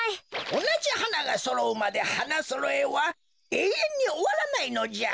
おなじはながそろうまで花そろえはえいえんにおわらないのじゃ。